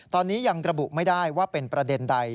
ตอนนี้ยังกระบุไม่ได้ว่าเป็นประเด็นใด